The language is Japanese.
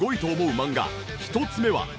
漫画１つ目は。